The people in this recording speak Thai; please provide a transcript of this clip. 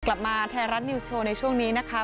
กลับมาไทยรัฐนิวส์โชว์ในช่วงนี้นะคะ